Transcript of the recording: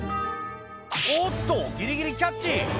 おっとギリギリキャッチ！